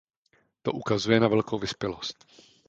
To ukazuje na velkou vyspělost.